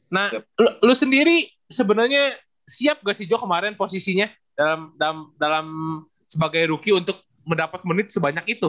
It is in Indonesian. nah lo sendiri sebenarnya siap gak sih jo kemarin posisinya dalam sebagai rookie untuk mendapat menit sebanyak itu